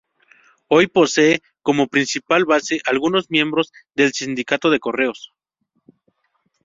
Hoy posee como principal base algunos miembros del sindicato de correos.